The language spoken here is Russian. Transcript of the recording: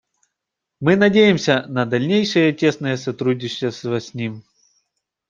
Мы надеемся на дальнейшее тесное сотрудничество с ним.